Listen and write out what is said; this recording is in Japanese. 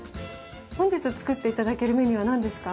本日作っていただけるメニューは何ですか？